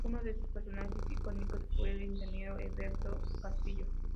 Uno de sus personajes icónicos fue el ingeniero Heberto Castillo.